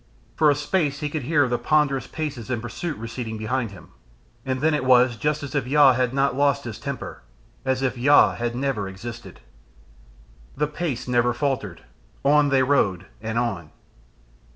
For a space he could hear the ponderous paces in pursuit receding behind him, and then it was just as if Yaaa had not lost his temper, as if Yaaa had never existed. The pace never faltered, on they rode and on.